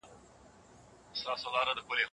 ولي لېواله انسان د ذهین سړي په پرتله برخلیک بدلوي؟